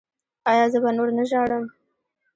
ایا زه به نور نه ژاړم؟